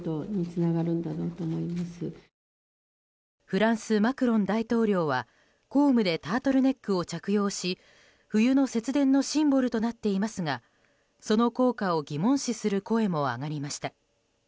フランス、マクロン大統領は公務でタートルネックを着用し冬の節電のシンボルとなっていますがその効果を疑問視する声も上がりました。